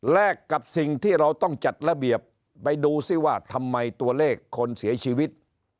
กับสิ่งที่เราต้องจัดระเบียบไปดูซิว่าทำไมตัวเลขคนเสียชีวิต